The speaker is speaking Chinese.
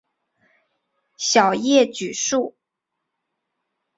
小叶榉树